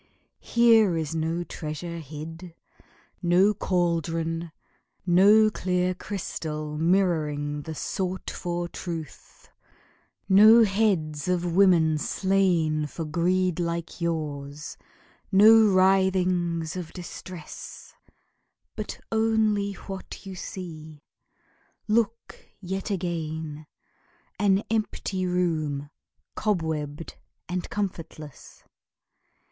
... Here is no treasure hid, No cauldron, no clear crystal mirroring The sought for truth, no heads of women slain For greed like yours, no writhings of distress, But only what you see. ... Look yet again An empty room, cobwebbed and comfortless.